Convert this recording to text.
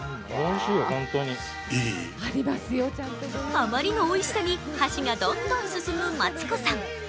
あまりのおいしさに箸がどんどん進むマツコさん。